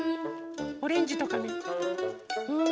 オレンジとかね。